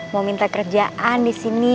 mau minta kerjaan disini